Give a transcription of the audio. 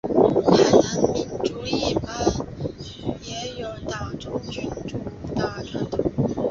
海岛民族一般也有尊崇君主的传统。